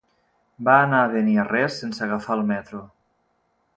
Va anar a Beniarrés sense agafar el metro.